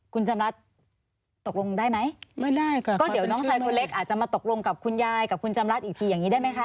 คุณจำรัฐตกลงได้ไหมไม่ได้ค่ะก็เดี๋ยวน้องชายคนเล็กอาจจะมาตกลงกับคุณยายกับคุณจำรัฐอีกทีอย่างนี้ได้ไหมคะ